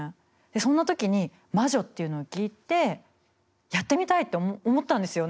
でそんな時に「魔女」っていうのを聞いて「やってみたい！」って思ったんですよ。